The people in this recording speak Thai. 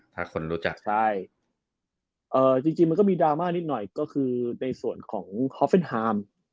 ถ้าคนรู้จักใช่จริงมันก็มีดราม่านิดหน่อยก็คือในส่วนของคอฟเฟนฮาม